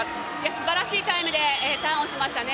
すばらしいタイムでターンをしましたね。